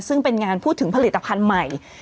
ซึ่งเป็นงานพูดถึงผลิตภัณฑ์ใหม่